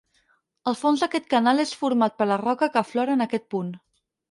El fons d'aquest canal és format per la roca que aflora en aquest punt.